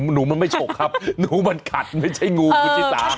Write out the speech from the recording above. หนูมันไม่ฉกครับหนูมันกัดไม่ใช่งูคุณชิสา